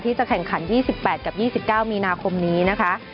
จะแข่งขัน๒๘กับ๒๙มีนาคมนี้นะคะ